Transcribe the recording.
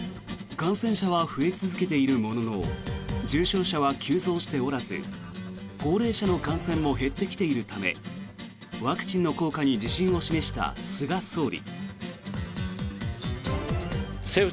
感染者は増え続けているものの重症者は急増しておらず高齢者の感染も減ってきているためワクチンの効果に自信を示した菅総理。